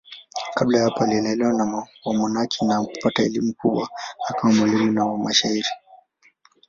Kabla ya hapo alilelewa na wamonaki na kupata elimu kubwa akawa mwalimu na mshairi.